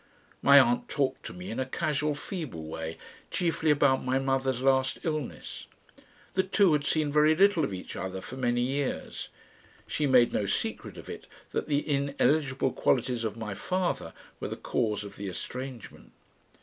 My aunt talked to me in a casual feeble way, chiefly about my mother's last illness. The two had seen very little of each other for many years; she made no secret of it that the ineligible qualities of my father were the cause of the estrangement.